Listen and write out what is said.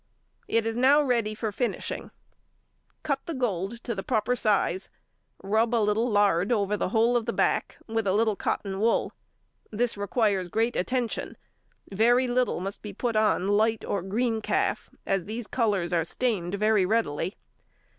It is now ready for finishing. Cut the gold to proper size; rub a little lard over the whole of the back with a little cotton wool. This requires great attention. Very little must be put on light or green calf, as these colours are stained very readily.